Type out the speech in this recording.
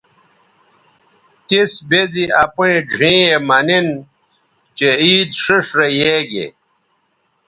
تِس بے زی اپیئں ڙھیئں یے مہ نِن چہء عید ݜیئݜ رے یے گے